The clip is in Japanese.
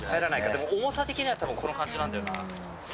重さ的にはたぶんこの感じなんだよな。